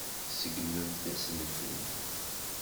Tseggmemt-asent-ten.